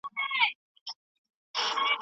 بايد وکړو.